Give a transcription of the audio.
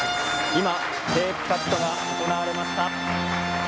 今、テープカットが行われました。